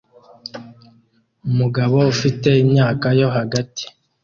Umugabo ufite imyaka yo hagati